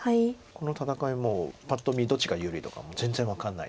この戦いもうパッと見どっちが有利とかも全然分かんない。